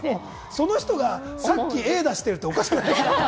その人がさっきＡ出してるって、おかしくないですか？